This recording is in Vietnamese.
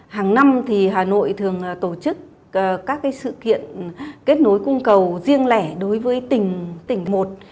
hàng năm hà nội thường tổ chức các sự kiện kết nối cung cầu riêng lẻ đối với tỉnh tỉnh một